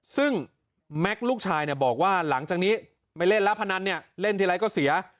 ซึ่งแม็กซ์ลูกชายเนี่ยบอกว่าหลังจากนี้ไม่เล่นแล้วพนันเนี่ยเล่นทีไรก็เสีย